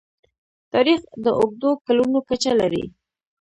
تاریخ د اوږدو کلونو کچه لري.